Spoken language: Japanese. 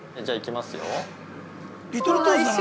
じゃあ、いきますよー。